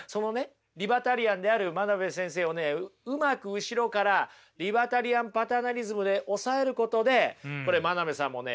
リバタリアンである真鍋先生をねうまく後ろからリバタリアン・パターナリズムで抑えることでこれ真鍋さんもね